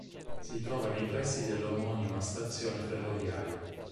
Si trova nei pressi dell'omonima stazione ferroviaria.